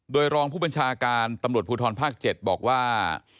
โดยรองผู้บัญชาการตำรวจภูทรภาค๗บอกว่า